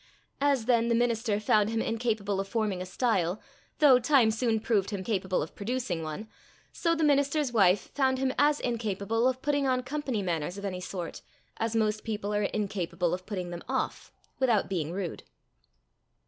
As, then, the minister found him incapable of forming a style, though time soon proved him capable of producing one, so the minister's wife found him as incapable of putting on company manners of any sort, as most people are incapable of putting them off without being rude.